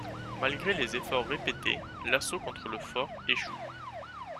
Malgré les efforts répétés, l'assaut contre le fort échoue.